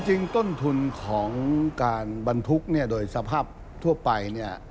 จริงต้นทุนของการบรรทุกโดยสภาพทั่วไป